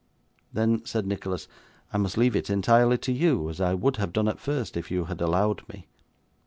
'Then,' said Nicholas, 'I must leave it entirely to you, as I would have done, at first, if you had allowed me.